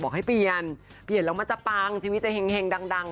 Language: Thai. บอกให้เปลี่ยนเปลี่ยนจะมาจับปางชีวิตจะแหงดัง